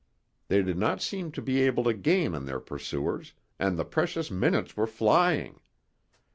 They did not seem to be able to gain on their pursuers, and the precious minutes were flying.